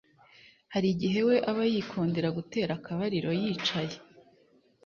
hari igihe we aba yikundira gutera akabariro yicaye